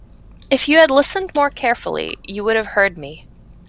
If you had listened more carefully, you would have heard me.